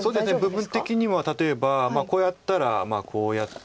部分的には例えばこうやったらこうやって。